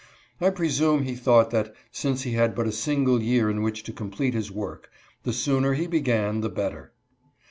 I presume he thought that, since he had but a single year in which to complete his work, the sooner he began the better.